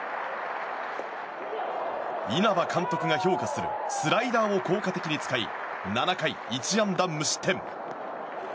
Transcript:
稲葉監督が評価するスライダーを効果的に使い７回１安打無失点。